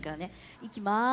いきます。